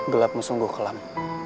gelapmu sungguh kelam